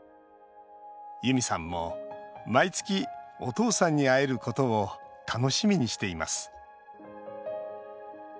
ユミさんも毎月お父さんに会えることを楽しみにしています。